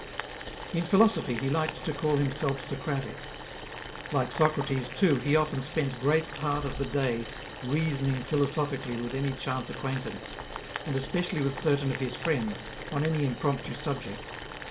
In philosophy, he liked to call himself Socratic. Like Socrates, too, he often spent great part of the day reason ing philosophically with any chance acquaintance, and especially with certain of his friends, on any impromptu subject.